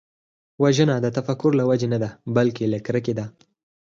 وژنه د تفکر له وجې نه ده، بلکې له کرکې ده